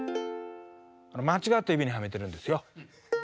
間違った指にはめてるんですよ。